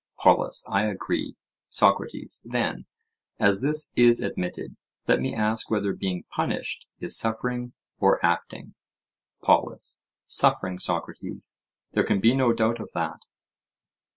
POLUS: I agree. SOCRATES: Then, as this is admitted, let me ask whether being punished is suffering or acting? POLUS: Suffering, Socrates; there can be no doubt of that.